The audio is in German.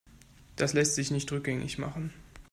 Das lässt sich nicht rückgängig machen.